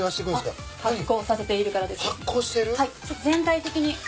全体的に。